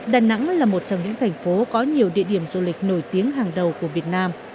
đà nẵng là một trong những thành phố có nhiều địa điểm du lịch nổi tiếng hàng đầu của việt nam